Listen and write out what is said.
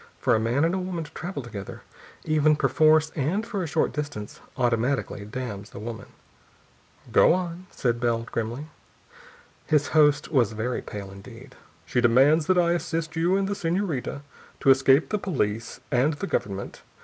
For a man and woman to travel together, even perforce and for a short distance, automatically damns the woman. "Go on," said Bell grimly. His host was very pale indeed. "She demands that I assist you and the senorita to escape the police and the government.